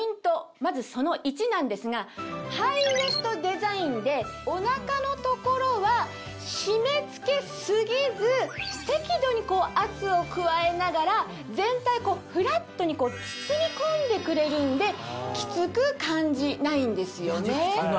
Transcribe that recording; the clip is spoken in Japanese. まずその１なんですがハイウエストデザインでお腹の所は締め付け過ぎず適度に圧を加えながら全体をフラットに包み込んでくれるんでキツく感じないんですよね。